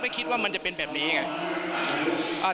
ไม่คิดว่ามันจะเป็นแบบนี้อีก